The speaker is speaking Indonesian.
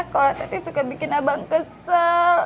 kalo tati suka bikin abang kesel